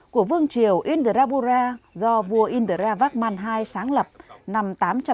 của vương triều indrabura do vua indravagman ii sáng lập năm tám trăm bảy mươi năm